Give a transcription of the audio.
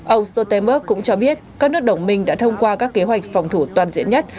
ông stoltenberg cũng cho biết các nước đồng minh đã thông qua các kế hoạch phòng thủ toàn diện nhất